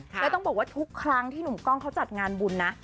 แล้วต้องบอกว่าทุกครั้งที่หนุ่มกล้องเขาจัดงานบุญนะ